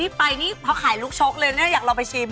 ที่นี่เขาขายลูกช็อกเลยเนี่ยอยากเราไปชิม